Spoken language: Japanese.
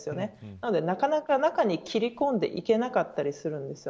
なので、なかなか中に切り込んでいけなかったりするんです。